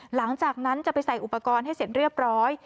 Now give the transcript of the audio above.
หลังจากนั้นจะไปใส่อุปกรณ์ให้เสร็จเรียบร้อย